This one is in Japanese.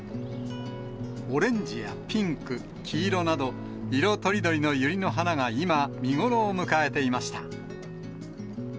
オレンジやピンク、黄色など、色とりどりのユリの花が今、見頃を迎えていました。